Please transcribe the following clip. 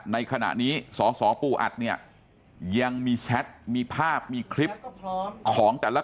ในขณะนี้สสปูอัดเนี่ยยังมีแชทมีภาพมีคลิปของแต่ละ